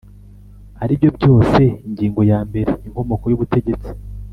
Ari byo byose; ingingo ya mbere: inkomoko y’ubutegetsi